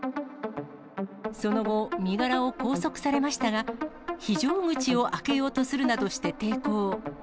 その後、身柄を拘束されましたが、非常口を開けようとするなどして抵抗。